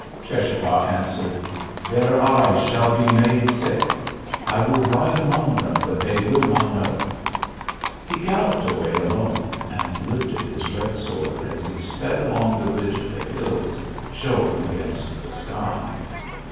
Cheschapah answered. "Their eyes shall be made sick. I will ride among them, but they will not know it." He galloped away alone, and lifted his red sword as he sped along the ridge of the hills, showing against the sky.